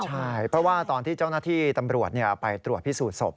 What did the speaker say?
ใช่เพราะว่าตอนที่เจ้าหน้าที่ตำรวจไปตรวจพิสูจนศพ